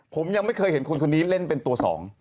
ผมยังไม่เคยเห็นคนคนนี้เล่นเป็นตัวสอง